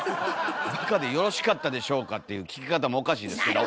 「バカでよろしかったでしょうか」っていう聞き方もおかしいですけど。